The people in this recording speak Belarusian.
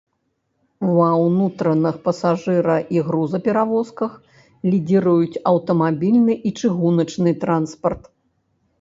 Ва ўнутраных пасажыра- і грузаперавозках лідзіруюць аўтамабільны і чыгуначны транспарт.